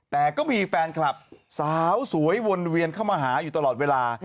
แต่ก็มีแฟนคลับสาวสวยวนเวียนเข้ามาหาอยู่ตลอดเวลา